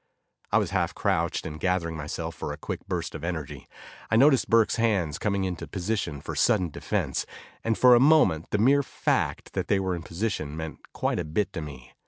I was half crouched and gathering myself for a quick burst of energy. I noticed Burke's hands coming into position for sudden defense, and for a moment the mere fact that they were in position meant quite a bit to me.